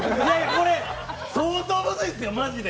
これ相当むずいんですよ、マジで。